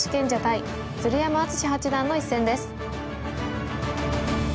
鶴山淳志八段の一戦です。